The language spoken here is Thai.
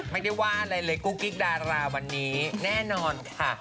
ไม่ได้ว่าอะไรเลยกุ๊กกิ๊กดาราวันนี้แน่นอนค่ะ